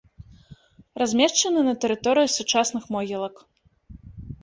Размешчаны на тэрыторыі сучасных могілак.